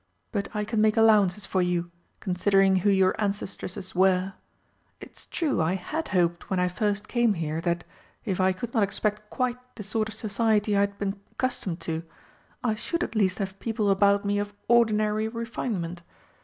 "But I can make allowances for you, considering who your ancestresses were! It's true I had hoped when I first came here that, if I could not expect quite the sort of society I had been accustomed to, I should at least have people about me of ordinary refinement!